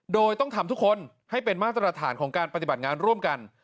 โดยต้องทำทุกคนให้เป็นมาตรฐานของการปฏิบัติงานร่วมกัน